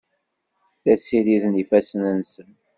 La ssiriden ifassen-nsen.